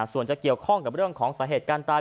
ส่วนจะเกี่ยวข้องกับเรื่องของสาเหตุการณ์ตาย